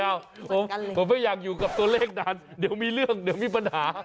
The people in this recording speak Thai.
ผมไม่อยากอยู่กับตัวเลขนั้นเดี๋ยวมีเรื่องเดี๋ยวมีปัญหา